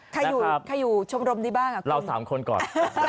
ใครอยู่ชมรมนี้บ้างเรา๓คนก่อน